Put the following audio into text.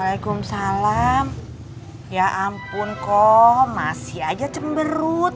waalaikumsalam ya ampun kok masih aja cemberut